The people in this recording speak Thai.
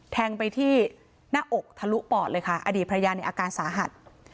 แทงไปที่หน้าอกทะลุปอดเลยค่ะอดีตภรรยาในอาการสาหัส